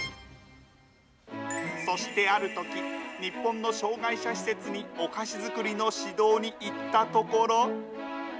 そしてあるとき、日本の障害者施設にお菓子作りの指導に行ったところ。